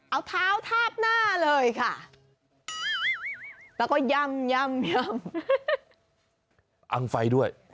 เอาเท้าย่ำแล้วก็ย่ำแขนไป